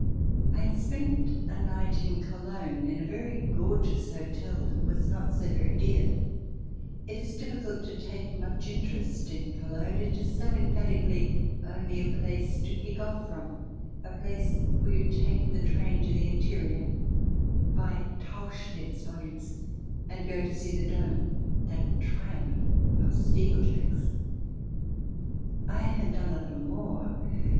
I had spent a night in Cologne, in a very gorgeous hotel that was not so very dear. It is difficult to take much interest in Cologne, it is so emphatically only a place to kick off from, a place where you take the train to the interior, buy Tauchnitz volumes and go to see the Dom, that triumph of steeplejacks. I 17 2 i8 THE DESIRABLE ALIEN [ch. ii had done a little more.